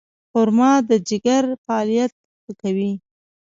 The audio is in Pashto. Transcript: خرما د ځیګر فعالیت ښه کوي.